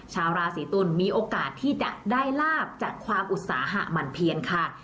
ชาวราศีตุลมีโอกาสที่จะได้ลาบจากความอุตสาหะหมั่นเพียนค่ะ